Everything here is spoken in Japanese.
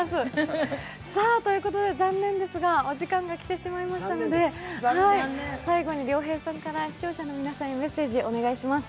残念ですが、お時間が来てしまいましたので、最後に、亮平さんから視聴者の皆さんに、メッセージ、お願いします。